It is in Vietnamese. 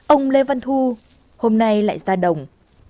ông lê văn thu hôm nay lại ra đồng